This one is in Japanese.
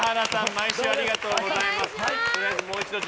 毎週ありがとうございます。